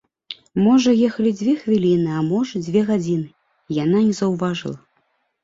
Можа, ехалі дзве хвіліны, а можа, дзве гадзіны, яна не заўважыла.